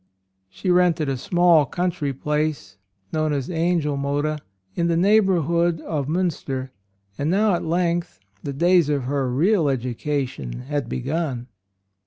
She rented a small country place, known as Angelmodde, in the neighborhood of Minister; and now at length the days of real education had begun.